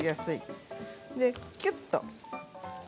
きゅっと。